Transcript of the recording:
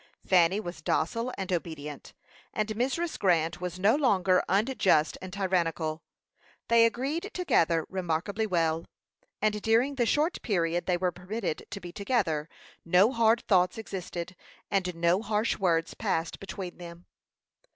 Fanny was docile and obedient, and Mrs. Grant was no longer unjust and tyrannical. They agreed together remarkably well, and during the short period they were permitted to be together, no hard thoughts existed, and no harsh words passed between them.